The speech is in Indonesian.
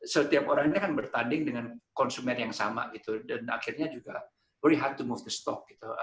setiap orang ini kan bertanding dengan konsumen yang sama gitu dan akhirnya juga very hard to move the stock gitu